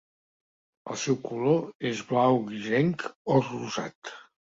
El seu color és blau grisenc o rosat.